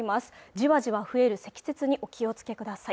じわじわ増える積雪にお気をつけください。